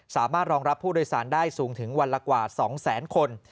สามารถรองรับผู้โดยสารได้สูงถึงวันละกว่า๒แสนคน